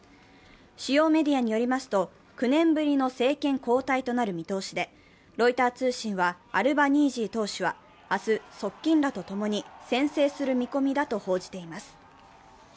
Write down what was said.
主要メディアによりますと、９年ぶりの政権交代となる見通しでロイター通信は、アルバニージー党首は明日側近らとともに宣誓する見込みだと報じています。